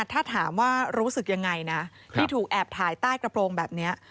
ถ้าถามว่ารู้สึกยังไงนะที่ถูกแอบถ่ายใต้กระโปรงแบบนี้